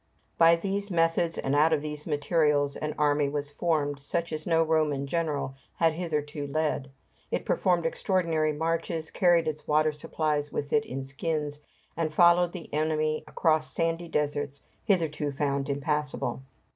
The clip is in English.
By these methods, and out of these materials, an army was formed, such as no Roman general had hitherto led. It performed extraordinary marches, carried its water supplies with it in skins, and followed the enemy across sandy deserts hitherto found impassable.